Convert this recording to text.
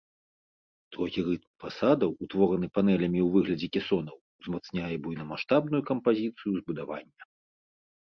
Строгі рытм фасадаў, утвораны панелямі ў выглядзе кесонаў, узмацняе буйнамаштабную кампазіцыю збудавання.